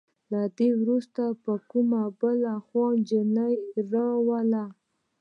له دې وروسته به کومه بله خواره نجلې راولئ.